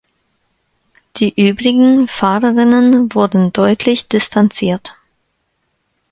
Die übrigen Fahrerinnen wurden deutlich distanziert.